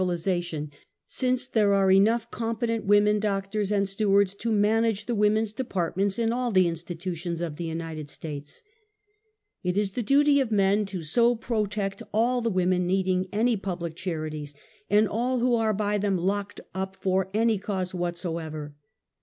131 ilization, since there are enough competent women doctors and stewards to manage the women's depart ments in all the institutions of the United States. It is the duty of men to so protect all the women needing any public charities, and all who are by them locked up for any cause whatsoever.